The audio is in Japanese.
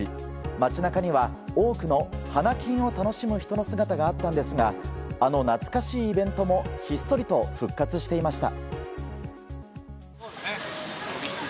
街中には多くの花金を楽しむ人の姿があったんですがあの懐かしいイベントもひっそりと復活していました。